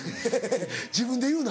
自分で言うな。